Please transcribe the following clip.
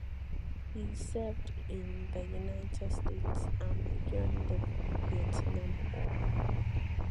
He served in the United States Army during the Vietnam War.